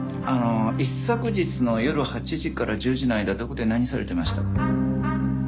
あの一昨日の夜８時から１０時の間どこで何されてました？